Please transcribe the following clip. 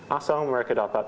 asal mereka dapat